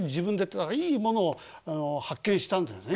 だからいいものを発見したんだよね